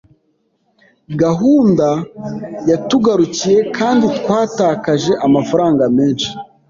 Gahunda yatugarukiye kandi twatakaje amafaranga menshi.